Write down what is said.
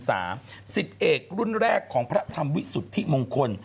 สิบเอกรุ่นแรกของพระธรรมวิสุทธิมงคล